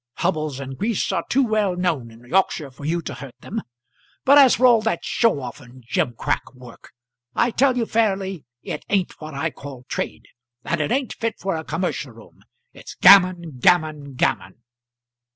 Hubbles and Grease are too well known in Yorkshire for you to hurt them. But as for all that show off and gimcrack work, I tell you fairly it ain't what I call trade, and it ain't fit for a commercial room. It's gammon, gammon, gammon!